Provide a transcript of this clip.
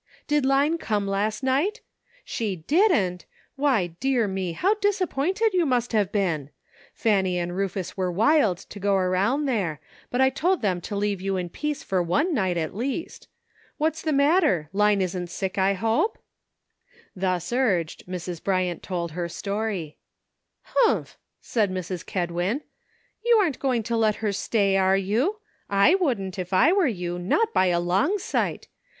"Did Line come last night? She didn't! Why, dear me, how disappointed you must have been. Fanny and Rufus were wild to go around there, but I told them to leave you in peace for one night, at least. What's the matter? Line isn't sick, I hope ?" Thus urged, Mrs. Bryant told her story. "Humph!" said Mrs. Kedwin, "you aren't going to let her stay, are you ? I wouldn't, if I were you, not by a long sight.